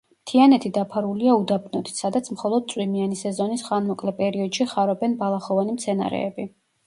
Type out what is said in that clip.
მთიანეთი დაფარულია უდაბნოთი, სადაც მხოლოდ წვიმიანი სეზონის ხანმოკლე პერიოდში ხარობენ ბალახოვანი მცენარეები.